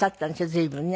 随分ね。